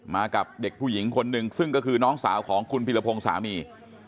กับเด็กผู้หญิงคนหนึ่งซึ่งก็คือน้องสาวของคุณพิรพงศ์สามี